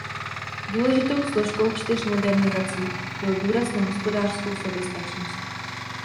Důležitou složkou čtyř modernizací byl důraz na hospodářskou soběstačnost.